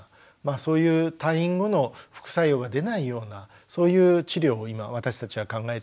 そういう退院後の副作用が出ないようなそういう治療を今私たちは考えてやってますので。